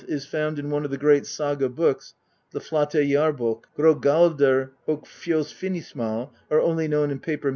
is found in one of the great Saga books, the Flateyjarb6k ; Grogaldr ok Fjolsvinnismal are only known in paper MSS.